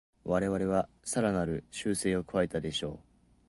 私たちはさらなる修正を加えたでしょう